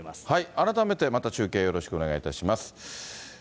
改めてまた中継よろしくお願いいたします。